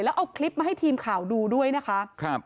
แล้วเอาคลิปมาให้ทีมค่าวดูด้วยนะคะตอนที่ลงค่ะ